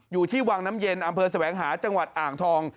อยู่ที่วังน้ำเย็นอำเภอแสวงหาจังหวัดอ่างทอง